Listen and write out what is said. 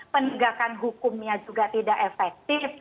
penegakan hukumnya juga tidak efektif